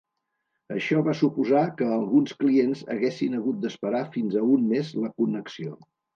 Això va suposar que alguns clients haguessin hagut d'esperar fins a un mes la connexió.